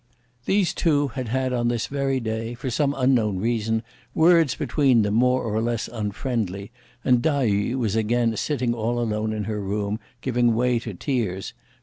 These two had had on this very day, for some unknown reason, words between them more or less unfriendly, and Tai yü was again sitting all alone in her room, giving way to tears.